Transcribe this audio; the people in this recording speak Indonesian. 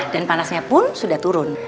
dan panasnya pun sudah turun